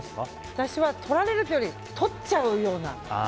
私はとられるっていうよりとっちゃうような。